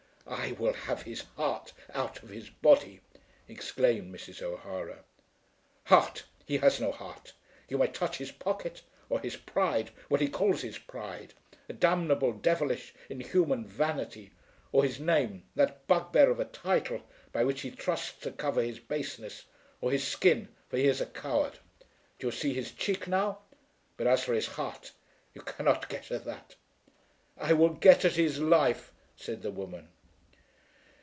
"I will have his heart out of his body," exclaimed Mrs. O'Hara. "Heart; he has no heart. You may touch his pocket; or his pride, what he calls his pride, a damnable devilish inhuman vanity; or his name, that bugbear of a title by which he trusts to cover his baseness; or his skin, for he is a coward. Do you see his cheek now? But as for his heart, you cannot get at that." "I will get at his life," said the woman.